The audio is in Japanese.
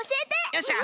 よっしゃ。